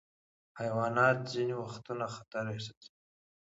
حیوانات ځینې وختونه خطر احساسوي.